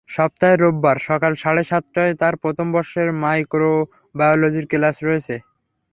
সপ্তাহের রোববার সকাল সাড়ে সাতটায় তাঁর প্রথম বর্ষের মাইক্রোবায়োলজির ক্লাস রয়েছে।